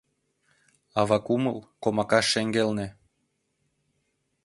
Ава кумыл - комака шеҥгелне